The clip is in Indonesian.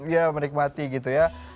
ya menikmati gitu ya